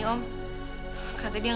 om minggir dong